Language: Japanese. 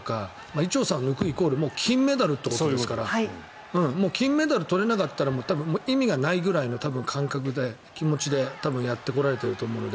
伊調さんを抜くイコールもう金メダルってことですから金メダルを取れなかったら意味がないくらいの感覚、気持ちで多分、やってこられていると思うので。